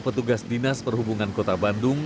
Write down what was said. petugas dinas perhubungan kota bandung